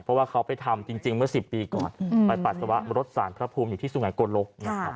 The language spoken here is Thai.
เพราะว่าเขาไปทำจริงเมื่อ๑๐ปีก่อนไปปัสสาวะรถสารพระภูมิอยู่ที่สุงัยโกลก